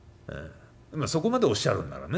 まあそこまでおっしゃるんならね。